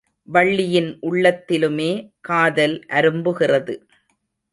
வள்ளியின் உள்ளத்திலுமே காதல் அரும்புகிறது.